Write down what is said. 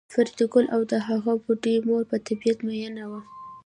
فریدګل او د هغه بوډۍ مور په طبیعت میئن وو